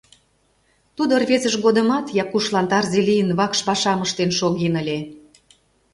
Тудо рвезыж годымат, Якушлан тарзе лийын, вакш пашам ыштен шоген ыле.